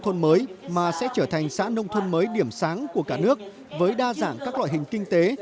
thôn mới mà sẽ trở thành xã nông thôn mới điểm sáng của cả nước với đa dạng các loại hình kinh tế